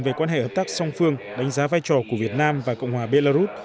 về quan hệ hợp tác song phương đánh giá vai trò của việt nam và cộng hòa belarus